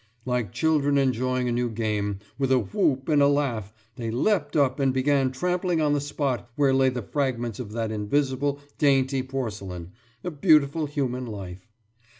« Like children enjoying a new game, with a whoop and a laugh, they leapt up and began trampling on the spot where lay the fragments of that invisible dainty porcelain, a beautiful human life.